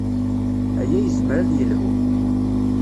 Aya yezmer ad yelḥu.